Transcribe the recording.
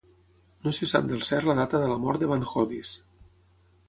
No se sap del cert la data de la mort de van Hoddis.